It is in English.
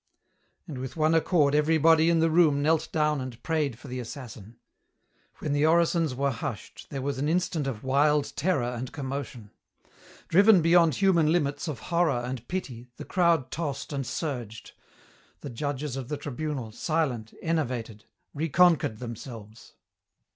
And with one accord everybody in the room knelt down and prayed for the assassin. When the orisons were hushed there was an instant of wild terror and commotion. Driven beyond human limits of horror and pity, the crowd tossed and surged. The judges of the Tribunal, silent, enervated, reconquered themselves.